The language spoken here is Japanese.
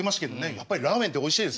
やっぱりラーメンっておいしいですよね。